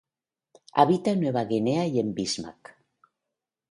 Habita en Nueva Guinea y Bismarck.